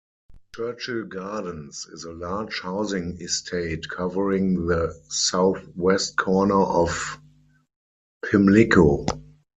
Churchill Gardens is a large housing estate covering the south-west corner of Pimlico.